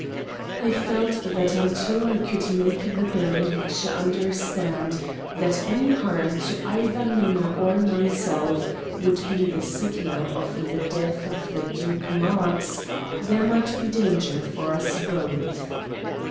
I felt that until I could make the Baron Heckscher understand that any harm to either Minna or myself would be the signal for the death of the Duke Marx there might be danger for us both.